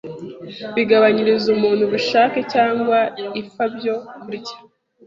bigabanyiriza umuntu ubushake cyangwa ipfa byo kurya,